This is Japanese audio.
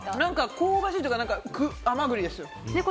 香ばしいというか、甘栗ですよ。